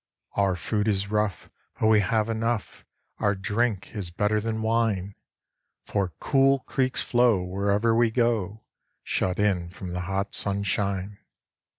Our food is rough, but we have enough; Our drink is better than wine: For cool creeks flow wherever we go, Shut in from the hot sunshine.